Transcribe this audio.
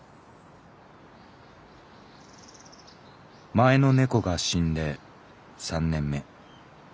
「前のネコが死んで三年目。